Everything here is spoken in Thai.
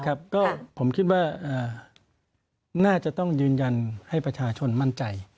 ก็ผมคิดว่าน่าจะต้องยืนยันให้ประชาชนมั่นใจ